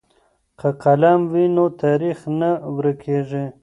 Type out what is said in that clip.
که قلم وي نو تاریخ نه ورکېږي.